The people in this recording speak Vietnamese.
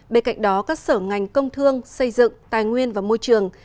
bên cạnh đó các sở ngành công thương xây dựng tài nguyên và môi trường